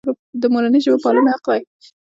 د مورنۍ ژبې پالنه حق دی.